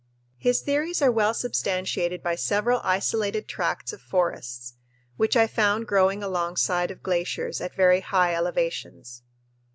His theories are well substantiated by several isolated tracts of forests which I found growing alongside of glaciers at very high elevations.